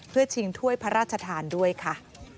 เพื่อชิงถ้วยพระราชทานด้วยค่ะ